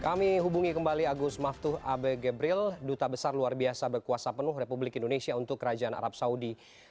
kami hubungi kembali agus maftuh abe gebril duta besar luar biasa berkuasa penuh republik indonesia untuk kerajaan arab saudi